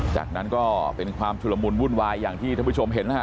จากนั้นก็เป็นความชุลมุนวุ่นวายอย่างที่ท่านผู้ชมเห็นนะฮะ